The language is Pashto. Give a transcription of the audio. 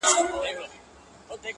او کارونه د بل چا کوي,